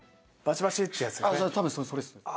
多分それですね。